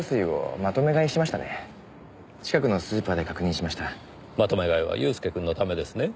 まとめ買いは祐介くんのためですね？